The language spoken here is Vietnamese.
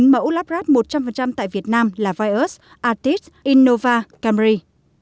bốn mẫu lắp ráp một trăm linh tại việt nam là vios artis innova camry